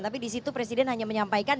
tapi di situ presiden hanya menyampaikan